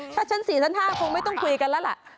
ถ้าชั้น๔ชั้น๕คงไม่ต้องคุยกันแล้วล่ะ